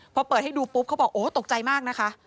พอเปิดให้ดูปุ๊บเขาบอกโอ้ตกใจมากนะคะ